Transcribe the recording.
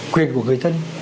quyền của người dân